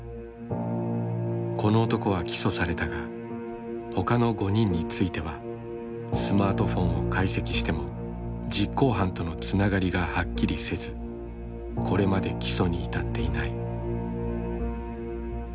この男は起訴されたがほかの５人についてはスマートフォンを解析しても実行犯とのつながりがはっきりせずこれまで起訴に至っていない。